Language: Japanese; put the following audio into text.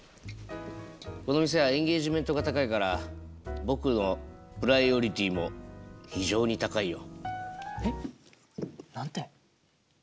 この店はエンゲージメントが高いから僕のプライオリティも非常に高いよ。